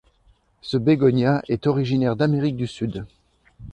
Ce bégonia est originaire d'Amérique du Sud.